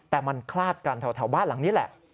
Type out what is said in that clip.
แต่มันคลาดกันแถวบ้านหลังนี้แหละ